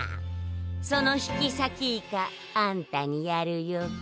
その引きさきイカあんたにやるよ。